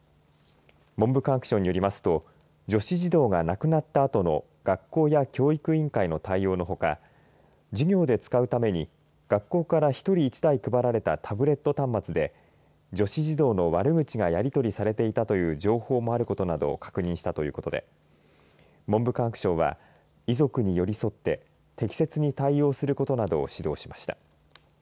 文部科学省によりますと女子児童が亡くなったあとの学校や教育委員会の対応のほか授業で使うために学校から１人１台配られたタブレット端末で女子児童の悪口がやりとりされていたという情報もあることなどを確認したということで文部科学省は遺族に寄り添って適切に対応することなどを指導しました。